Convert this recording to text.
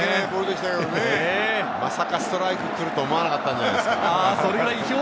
まさかストライクが来るとは思わなかったんじゃないですか？